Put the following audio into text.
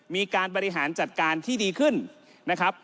มีการบริหารจัดการที่ดีขึ้นนะครับ